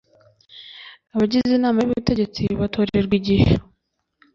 abagize inama y ubutegetsi batorerwa igihe